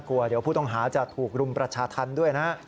กลัวเดี๋ยวผู้ต้องหาจะถูกรุมประชาธรรมด้วยนะฮะ